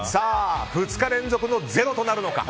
２日連続の０となるのか。